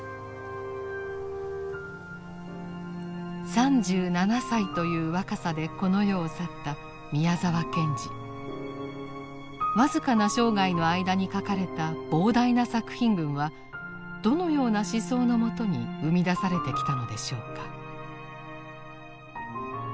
３７歳という若さでこの世を去った僅かな生涯の間に書かれた膨大な作品群はどのような思想のもとに生み出されてきたのでしょうか。